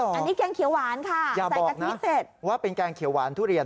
อันนี้แกงเขียวหวานค่ะใส่กะทิเสร็จว่าเป็นแกงเขียวหวานทุเรียน